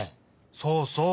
そうそう！